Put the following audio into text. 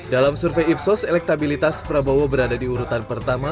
dalam survei ipsos elektabilitas prabowo berada di urutan pertama